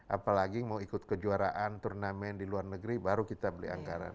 apalagi mau ikut kejuaraan turnamen di luar negeri baru kita beli anggaran